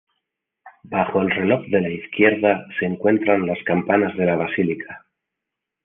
Bajo el reloj de la izquierda se encuentran las campanas de la basílica.